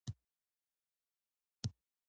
که د خپل ځان اداره کول دې زده کړل.